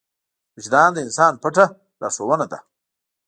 وجدان د انسان پټه لارښوونه ده.